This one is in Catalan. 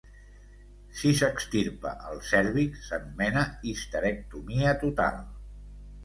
Si s'extirpa el cèrvix, s'anomena histerectomia total.